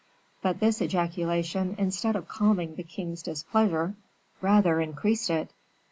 But this ejaculation, instead of calming the king's displeasure, rather increased it.